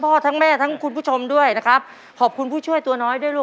เป็นทางใดที่สวรรคีย์ตัวน้อยครับ